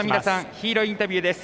ヒーローインタビューです。